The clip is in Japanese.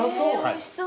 おいしそう。